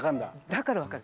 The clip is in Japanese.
だから分かる。